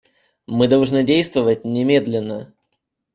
Мы должны действовать немедленно.